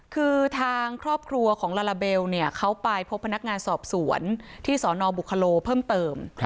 คือทางครอบครัวของลาลาเบลเขาไปพบพนักงานสอบสวนที่สนบุคโลเพิ่มเติม